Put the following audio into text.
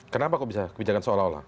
kenapa kok bisa kebijakan seolah olah